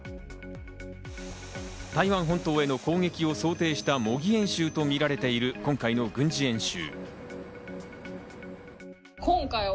台湾本島への攻撃を想定した模擬演習とみられている今回の軍事演習。